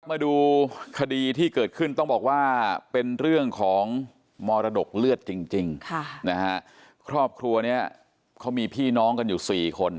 มาดูคดีที่เกิดขึ้นต้องบอกว่าเป็นเรื่องของมรดกเลือดจริงจริงค่ะนะฮะครอบครัวเนี้ยเขามีพี่น้องกันอยู่สี่คน